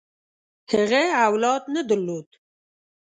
هغه اولاد نه درلود.